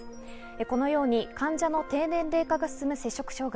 このように患者の低年齢化が進む摂食障害。